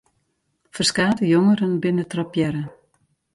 Ferskate jongeren binne trappearre.